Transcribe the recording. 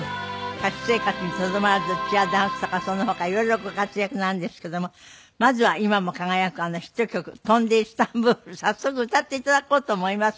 歌手生活にとどまらずチアダンスとかその他色々ご活躍なんですけどもまずは今も輝くあのヒット曲『飛んでイスタンブール』早速歌って頂こうと思います。